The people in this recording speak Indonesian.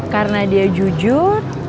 karena dia jujur